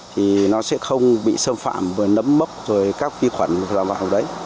thì nó sẽ không bị xâm phạm với nấm mốc rồi các vi khuẩn vào vào đấy